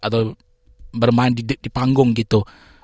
atau bermain di panggung gitu